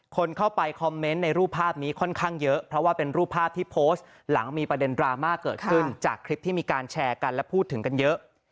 คนเข้าไปคอมเมนต์ในรูปภาพนี้ค่อนข้างเยอะเพราะว่าเป็นรูปภาพที่โพสต์หลังมีประเด็นดราม่าเกิดขึ้นจากคลิปที่มีการแชร์กันและพูดถึงกันเยอะ